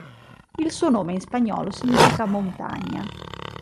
Il suo nome in spagnolo significa "montagna".